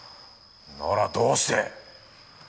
ならどうして！